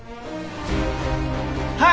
はい